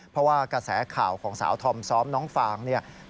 เพราะว่ากระแสข่าวของสาวธอมซ้อมน้องฟางเนี่ย